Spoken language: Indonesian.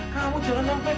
saya tidak hari ini